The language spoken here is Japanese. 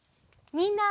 みんな！